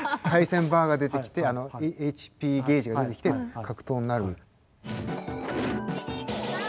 対戦バーが出てきてあのＨＰゲージが出てきて格闘になる。